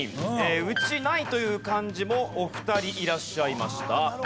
「内」「内」という漢字もお二人いらっしゃいました。